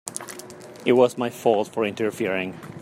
It was my fault for interfering.